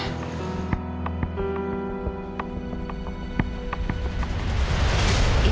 ini minuman buat semuanya